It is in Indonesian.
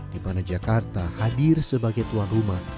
di mana jakarta hadir sebagai tuan rumah